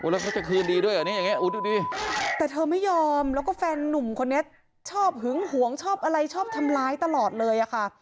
แล้วจะคืนดีด้วยแต่เธอไม่ยอมแล้วแฟนนุ่มชอบหึ้งหวงชอบอะไรชอบทำร้ายตลอดเลยค่ะ